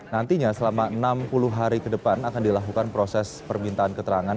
nantinya selama enam puluh hari ke depan akan dilakukan proses permintaan keterangan